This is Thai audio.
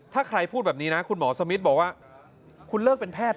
ถ้าใครพูดแบบนี้นะคุณหมอสมิทบอกว่าคุณเลิกเป็นแพทย์